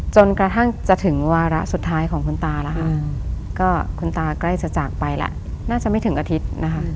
จะถึงวาระสุดท้ายของคุณตาคุณตาใกล้จะจากไปแล้วน่าจะไม่ถึงอาทิตย์